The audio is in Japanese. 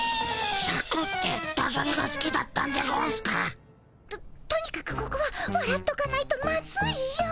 シャクってダジャレがすきだったんでゴンスか？ととにかくここはわらっとかないとマズいよ。